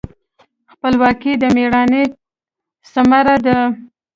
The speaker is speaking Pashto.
خپلواکي د میړانې ثمره ده.